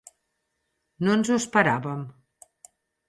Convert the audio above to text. No ens ho esperàvem.